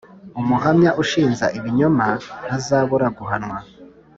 Umuhamya ushinja ibinyoma ntazabura guhanwa